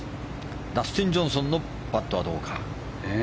ダスティン・ジョンソンのパットはどうか。